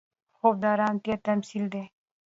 خوب د ارامتیا تمثیل دی